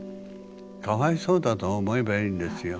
かわいそうだと思えばいいんですよ。